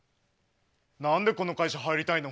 何でこの会社入りたいの？